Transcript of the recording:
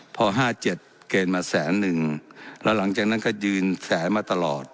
พอห้าเจ็ดเกณฑ์มาแสนหนึ่งแล้วหลังจากนั้นก็ยืนแสนมาตลอด